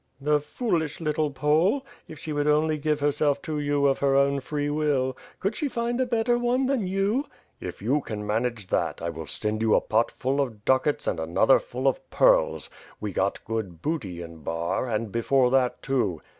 "The foolish little Pole. If she would only give herself to you of her own free will. Could she find a better one than you?" "If you can manage that, I will send you a pot full of ducats and another full of pearls. We got good booty in Bar, and before that, too."